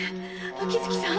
秋月さん